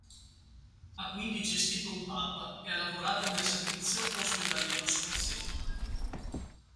Ha quindi gestito un pub e ha lavorato nel servizio ospedaliero scozzese.